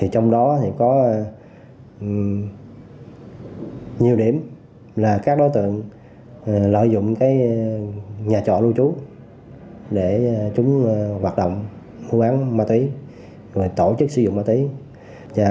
trong đó có nhiều điểm là các đối tượng lợi dụng nhà trọ lưu trú để chúng hoạt động mua bán ma túy tổ chức sử dụng ma túy